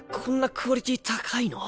クオリティー高いの？